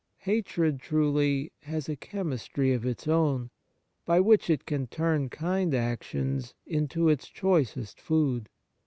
Hatred, truly, has a chemistry of its own, by which it can turn kind actions into its choicest food.